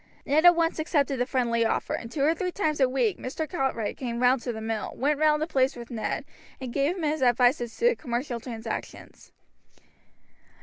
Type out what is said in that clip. Ned at once accepted the friendly offer, and two or three times a week Mr. Cartwright came round to the mill, went round the place with Ned, and gave him his advice as to the commercial transactions.